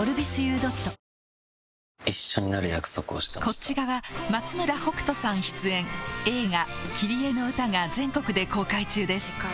こっち側松村北斗さん出演映画『キリエのうた』が全国で公開中です